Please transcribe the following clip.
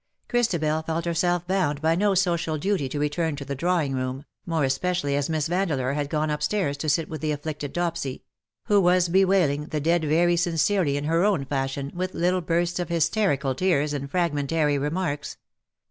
Christabel felt herself bound by no social duty to return to the drawing room, more especially as Miss Vandeleur had gone upstairs to sit with the afflicted Dopsy — who was bewailing the dead very sincerely in her own fashion, with little bursts of hysterical tears and fragmentary remarks.